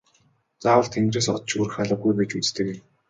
Заавал тэнгэрээс од шүүрэх албагүй гэж үздэг юм.